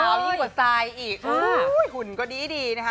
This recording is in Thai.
ขาวยี่กว่าไซส์อีกหุ่นก็ดีนะคะ